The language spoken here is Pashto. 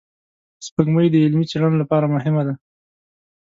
سپوږمۍ د علمي څېړنو لپاره مهمه ده